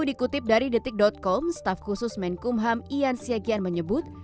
dikutip dari detik com staf khusus menkumham ian siagian menyebut